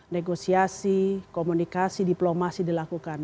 negosiasi komunikasi diplomasi dilakukan